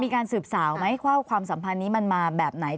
มีการสืบสาวไหมว่าความสัมพันธ์นี้มันมาแบบไหน